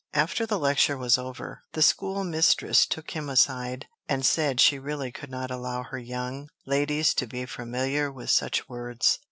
After the lecture was over, the school mistress took him aside, and said she really could not allow her young ladies to be made familiar with such words.